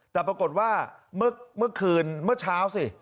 แต่ปรากฏว่าเมื่อคืนเมื่อเช้าสิ